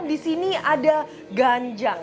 disini ada ganjang